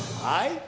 はい。